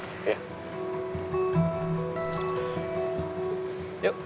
gapapa wegasi masih